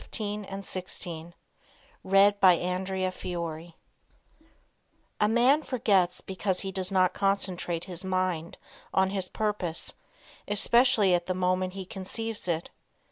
CONCENTRATE SO YOU WILL NOT FORGET A man forgets because he does not concentrate his mind on his purpose, especially at the moment he conceives it.